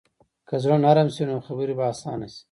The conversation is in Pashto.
که زړه نرمه شي، نو خبرې به اسانه شي.